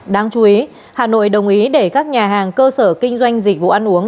đáng chú ý hà nội đồng ý để các nhà hàng cơ sở kinh doanh dịch vụ ăn uống